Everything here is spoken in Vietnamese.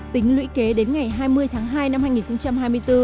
tính lũy kế đến ngày hai mươi tháng hai năm hai nghìn hai mươi bốn